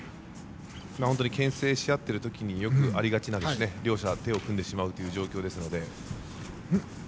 けん制し合っているときによくありがちな、両者が手を組んでしまうという状況です。